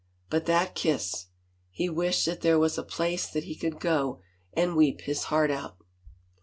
But that kiss. ... He wished that there was a place that he could go and weep his heart out.